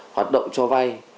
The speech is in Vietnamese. hoạt động cho vay